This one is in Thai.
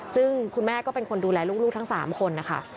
ส่วนของชีวาหาย